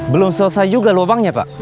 belum selesai juga lubangnya pak